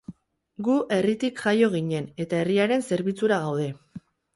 Gu herritik jaio ginen eta herriaren zerbitzura gaude.